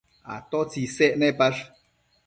atotsi isec nepash?